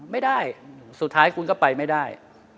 ไม่ได้สุดท้ายคุณก็ไปไม่ได้